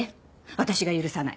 私が許さない。